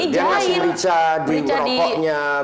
dia ngasih berica di rokoknya